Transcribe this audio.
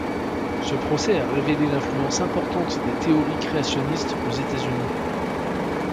Ce procès a révélé l'influence importante des théories créationnistes aux États-Unis.